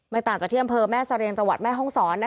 ไม้ตากับเที่ยงเผอมแม่ศรียลจังหวัดแม่ฮ้องศร